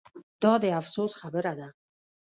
دا د افسوس خبره ده